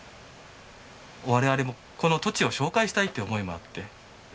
我々もこの土地を紹介したいっていう思いもあってねっ。